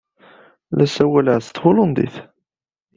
La ssawalen s thulandit.